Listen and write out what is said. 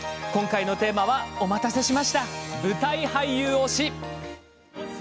今回のテーマはお待たせしました、舞台俳優推し。